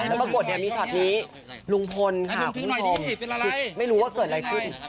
แล้วปรากฏเนี่ยมีช็อตนี้ลุงพลค่ะพี่ไม่รู้ว่าเกิดอะไรขึ้น